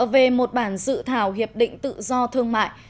về một bản dự thảo hiệp định tự do thương mại